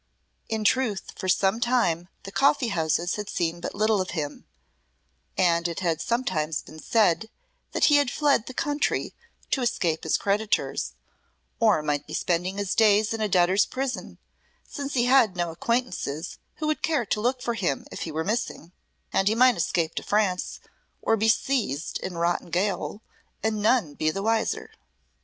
In truth, for some time the coffee houses had seen but little of him, and it had sometimes been said that he had fled the country to escape his creditors, or might be spending his days in a debtors' prison, since he had no acquaintances who would care to look for him if he were missing, and he might escape to France, or be seized and rot in gaol, and none be the wiser.